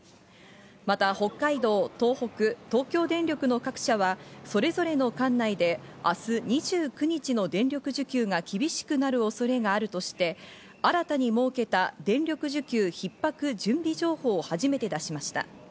また北海道、東北、東京電力の各社はそれぞれの管内で明日２９日の電力需給が厳しくなる恐れがあるとして、新たに設けた電力需給ひっ迫準備情報を初めて出しました。